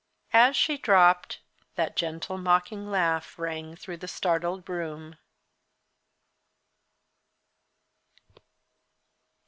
As she dropped, that gentle, mocking laugh rang through the startled room.